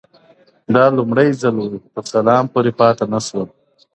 دا لوړ ځل و، تر سلامه پوري پاته نه سوم,